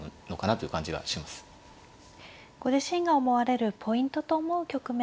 ご自身が思われるポイントと思う局面